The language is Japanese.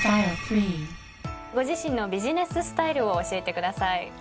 ご自身のビジネススタイルを教えてください。